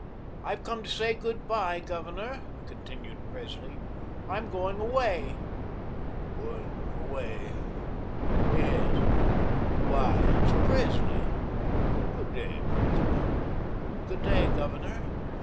"I've come to say good bye, Governor," continued Presley, "I'm going away." "Going away...yes, why it's Presley. Good day, Presley." "Good day, Governor.